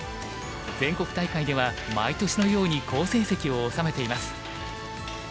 全国大会では毎年のように好成績を収めています。